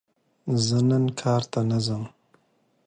زه نن کار ته نه ځم!